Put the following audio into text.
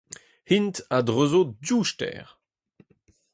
Int a dreuzo div stêr.